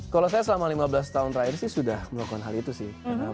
kalau saya selama lima belas tahun terakhir sih sudah melakukan hal itu sih